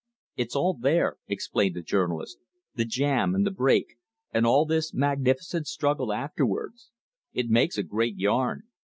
"It's all there," explained the journalist, " the jam and the break, and all this magnificent struggle afterwards. It makes a great yarn.